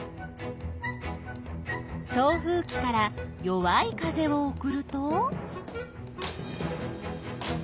送風きから弱い風を送ると？